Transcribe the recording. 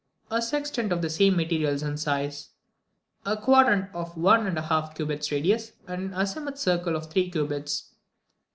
2. A sextant of the same materials and size. 3. A quadrant of one and a half cubits radius, and an azimuth circle of three cubits.